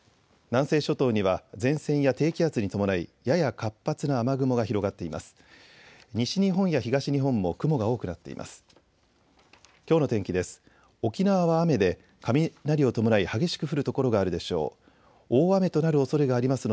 南西諸島には前線や低気圧に伴いやや活発な雨雲が広がっています。